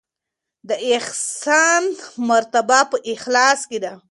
د احسان مرتبه په اخلاص کې ده.